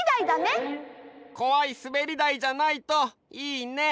こわいすべりだいじゃないといいね！